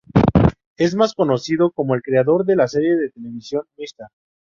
Es más conocido como el creador de la serie de televisión Mr.